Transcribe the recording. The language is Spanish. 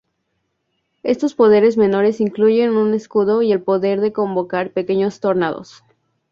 Estos poderes menores incluyen un escudo y el poder de convocar pequeños tornados.